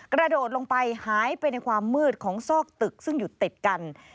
กระโดดลงไปหายไปในความมืดของซอกตึกซึ่งอยู่ติดกัน